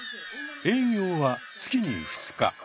営業は月に２日。